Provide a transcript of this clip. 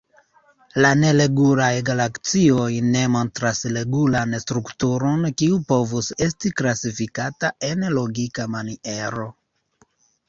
La neregulaj galaksioj ne montras regulan strukturon kiu povus esti klasifikata en logika maniero.